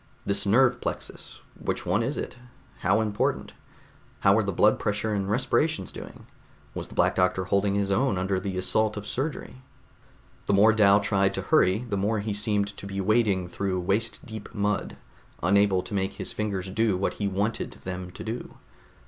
This nerve plexus ... which one was it? How important? How were the blood pressure and respirations doing? Was the Black Doctor holding his own under the assault of the surgery? The more Dal tried to hurry the more he seemed to be wading through waist deep mud, unable to make his fingers do what he wanted them to do.